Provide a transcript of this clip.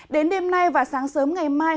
đến đêm nay và sáng sớm ngày mai